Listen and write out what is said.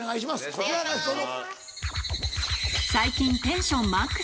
こちらからですどうぞ。